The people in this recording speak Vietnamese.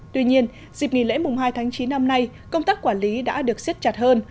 tuy nhiên dịp nghỉ lễ mùng hai tháng chín năm nay công tác quản lý đã được siết chặt hơn